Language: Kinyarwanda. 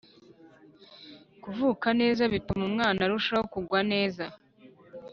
kuvuka neza bituma umwana arushaho kugwa neza